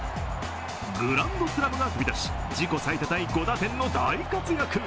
グランドスラムが飛び出し、自己最多タイ５打点の大活躍。